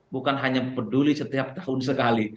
bukan hanya peduli setiap tahun sekali